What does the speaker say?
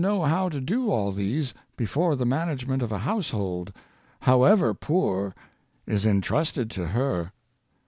know how to do all these before the management of a household, however poor, is entrusted to her.